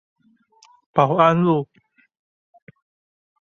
保安路